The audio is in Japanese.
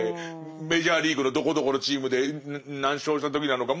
メジャーリーグのどこどこのチームで何勝した時なのか。